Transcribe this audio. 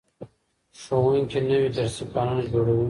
ښوونکي نوي درسي پلانونه جوړوي.